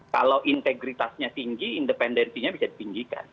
kalau integritasnya tinggi independensinya bisa ditinggikan